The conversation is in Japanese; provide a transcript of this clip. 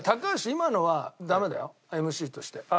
今のはダメだよＭＣとして。